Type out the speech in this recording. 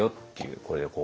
これでこう。